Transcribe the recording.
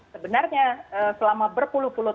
sebenarnya selama berpuluh puluh